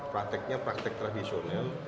prakteknya praktek tradisional